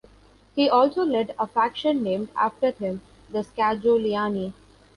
He also led a faction named after him, the "Scajoliani".